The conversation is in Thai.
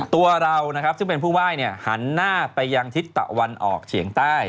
ตัวเรานะครับซึ่งเป็นผู้ไหว้หันหน้าไปยังทิศตะวันออกเฉียงใต้